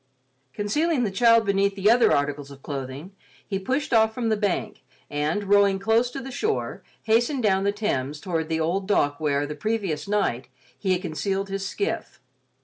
Concealing the child beneath the other articles of clothing, he pushed off from the bank, and, rowing close to the shore, hastened down the Thames toward the old dock where, the previous night, he had concealed his skiff.